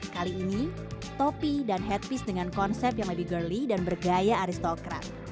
kali ini topi dan headpis dengan konsep yang lebih girly dan bergaya aristokrat